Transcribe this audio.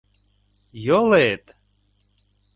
Йолет!